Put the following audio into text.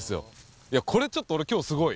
いや、これちょっと俺、すごい。